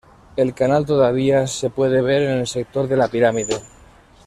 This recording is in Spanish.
El canal todavía se puede ver en el sector de La Pirámide.